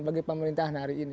bagi pemerintahan hari ini